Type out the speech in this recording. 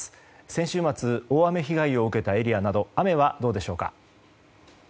先週末大雨被害を受けたエリアなど雨はどうでしょうか。